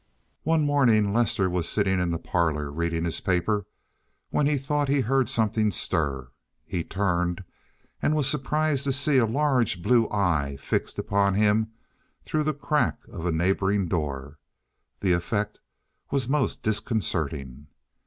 One morning Lester was sitting in the parlor reading his paper when he thought he heard something stir. He turned, and was surprised to see a large blue eye fixed upon him through the crack of a neighboring door—the effect was most disconcerting.